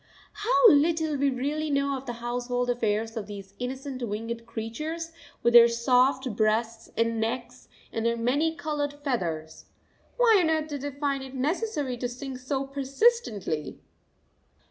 How little we really know of the household affairs of these innocent winged creatures, with their soft, breasts and necks and their many coloured feathers! Why on earth do they find it necessary to sing so persistently?